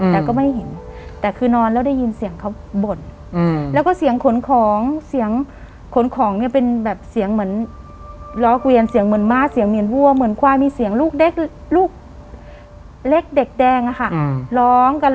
แต่ก็ไม่เห็นแต่คือนอนแล้วได้ยินเสียงเขาบ่นแล้วก็เสียงขนของเสียงขนของเนี่ยเป็นแบบเสียงเหมือนล้อเกวียนเสียงเหมือนม้าเสียงเมียนหัวเหมือนควายมีเสียงลูกเด็กลูกเล็กเด็กแดงอะค่ะ